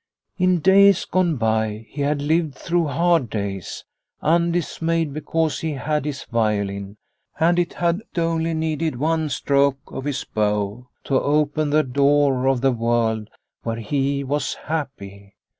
In days gone by he had lived through hard days, undismayed because he had his violin, and it had only needed one stroke of his bow to open the door of the world where he was happy.